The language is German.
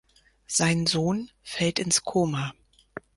Sein Sohn fällt ins Koma.